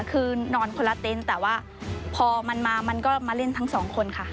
คือนอนคนละเต็นต์แต่ว่าพอมันมามันก็มาเล่นทั้งสองคนค่ะ